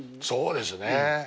そうですね。